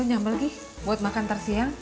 lo nyampe lagi buat makan tersiang